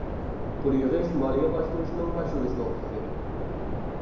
پۇل يىغىش مالىيە باشقۇرۇشنىڭ باشلىنىش نۇقتىسى.